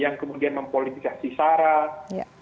yang kemudian mempolitisasi syarat